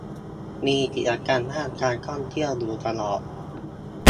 มีกิจกรรมด้านการท่องเที่ยวอยู่ตลอด